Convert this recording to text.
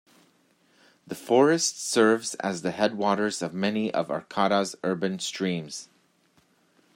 The forest serves as the headwaters of many of Arcata's urban streams.